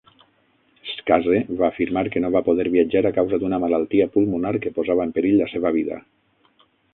Skase va afirmar que no va poder viatjar a causa d'una malaltia pulmonar que posava en perill la seva vida.